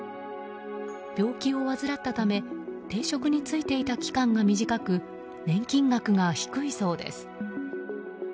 病気を患ったため定職に就いていた期間が短く年金額が低いそうです。